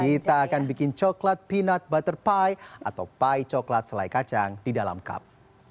kita akan bikin coklat pinut butterpie atau pie coklat selai kacang di dalam cup